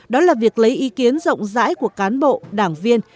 đó là việc lấy ý kiến rộng rãi của cán bộ đảng viên